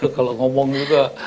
kalau ngomong juga